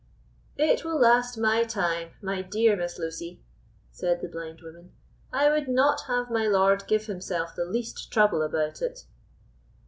"It will last my time, my dear Miss Lucy," said the blind woman; "I would not have my lord give himself the least trouble about it."